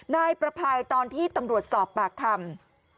นายประภัยตอนที่ตำรวจสอบปากคำ